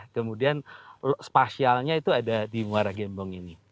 kemudian spasialnya itu ada di muara gembong ini